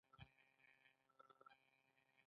آیا ورځپاڼې لا هم چاپيږي؟